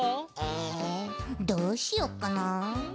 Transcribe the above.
えどうしよっかな。